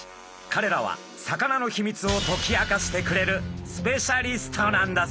かれらはサカナのヒミツを解き明かしてくれるスペシャリストなんだそう。